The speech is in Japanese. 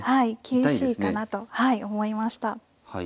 厳しいかなと思いました。